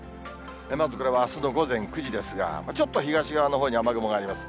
まずこれはあすの午前９時ですが、ちょっと東側のほうに雨雲があります。